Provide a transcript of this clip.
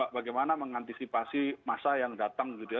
bagaimana mengantisipasi masa yang datang gitu ya